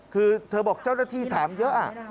คือเธอบอกเจ้าหน้าที่ถามเยอะ